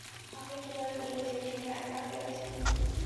আপনি কীভাবে বললেন যে, টিনা একা হয়ে গেছে?